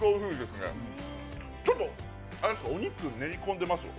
お肉、ちょっとお餅に練り込んでます？